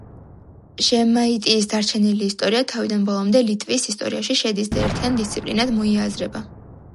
ჟემაიტიის დარჩენილი ისტორია თავიდან ბოლომდე ლიტვის ისტორიაში შედის და ერთიან დისციპლინად მოიაზრება.